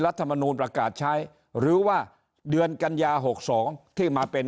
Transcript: รัฐมนูลประกาศใช้หรือว่าเดือนกัญญา๖๒ที่มาเป็น